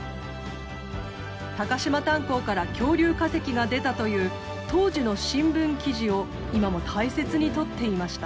高島炭鉱から恐竜化石が出たという当時の新聞記事を今も大切にとっていました。